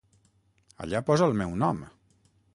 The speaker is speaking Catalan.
Allà posa el meu nom!